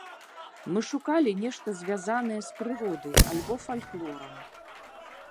Мы шукалі нешта звязанае з прыродай альбо фальклорам.